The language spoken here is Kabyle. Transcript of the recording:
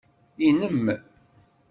Inem.